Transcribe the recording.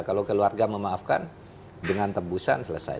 kalau keluarga memaafkan dengan tebusan selesai